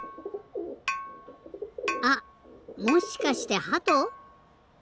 あっもしかしてハト？